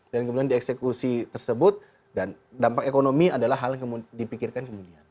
dan kemudian dieksekusi tersebut dan dampak ekonomi adalah hal yang dipikirkan kemudian